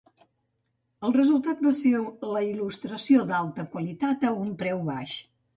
El resultat va ser la il·lustració d'alta qualitat a un preu baix.